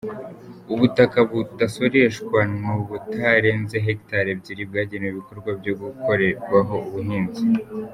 Ubutaka budasoreshwa ni ubutarenze hegitari ebyiri bwagenewe ibikorwa byo gukorerwaho ubuhinzi.